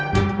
gak ada pok